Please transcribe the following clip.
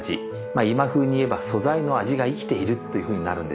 今風に言えば素材の味が生きているというふうになるんでしょうかね。